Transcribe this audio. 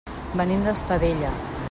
Venim d'Espadella.